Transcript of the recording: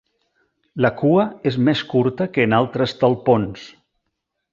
La cua és més curta que en altres talpons.